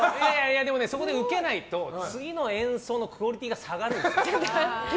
でもね、そこでウケないと次の演奏のクオリティーが下がるんですよ。